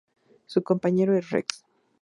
Su compañero es Rex.